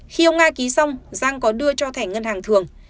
khi ông nga ký xong giang có đưa cho thẻ ngân hàng thường